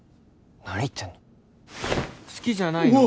何言ってんの好きじゃないの？